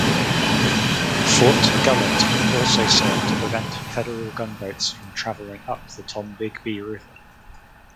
Fort Gullett also served to prevent Federal gunboats from traveling up the Tombigbee River.